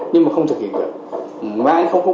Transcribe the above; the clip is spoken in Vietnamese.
nhưng mà không thực hiện được